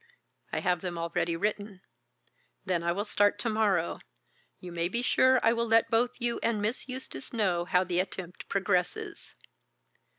"I have them already written." "Then I will start to morrow. You may be sure I will let both you and Miss Eustace know how the attempt progresses."